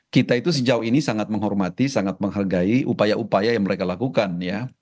kita itu sejauh ini sangat menghormati sangat menghargai upaya upaya yang mereka lakukan ya